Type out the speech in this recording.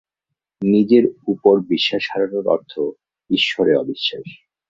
নিজের উপর বিশ্বাস হারানোর অর্থ ঈশ্বরে অবিশ্বাস।